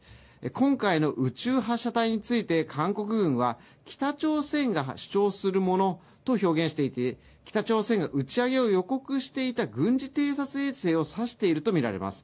今回の宇宙発射体について韓国軍は北朝鮮が主張するものと表現していて、北朝鮮が打ち上げを予告していた軍事偵察衛星を指しているとみられます。